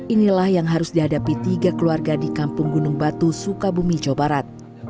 inilah yang harus dihadapi tiga keluarga di kampung gunung batu sukabumi jawa barat